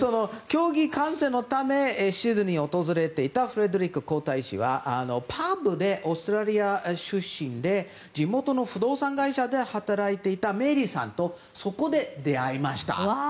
競技観戦のためシドニーを訪れていたフレデリック皇太子はパブでオーストラリア出身で地元の不動産会社で働いていたメアリーさんとそこで出会いました。